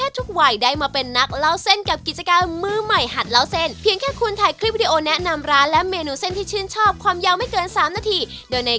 ต๊อกจูนี่เป็นอยู่ในคนเซ็นไดอ๋ออยู่ในเซ็นไดอ๋อเป็นสูตรเฉพาะเลยของที่นี่